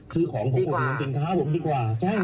ซื้อของของคุณคุณสินค้าผมดีกว่า